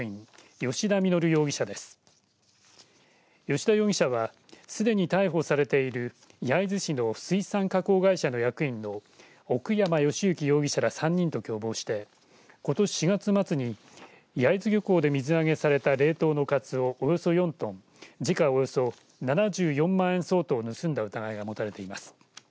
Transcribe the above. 吉田容疑者はすでに逮捕されている焼津市の水産加工会社の役員の奥山善行容疑者ら３人と共謀してことし４月末に焼津漁港で水揚げされた冷凍のカツオ、およそ４トン時価およそ７４万円相当を盗んだ疑いが持たれています。